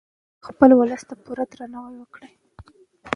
دی خپل ولس ته پوره درناوی لري.